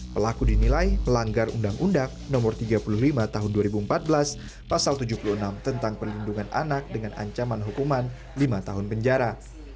pelaku dinilai melanggar undang undang no tiga puluh lima tahun dua ribu empat belas pasal tujuh puluh enam tentang perlindungan anak dengan ancaman hukuman lima tahun penjara